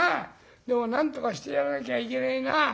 でもなんとかしてやらなきゃいけねえな。